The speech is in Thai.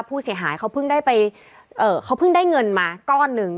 ผู้เสียหายเขาเพิ่งได้ไปเอ่อเขาเพิ่งได้เงินมาก้อนหนึ่ง